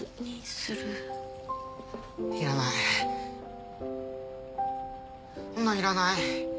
そんなんいらない。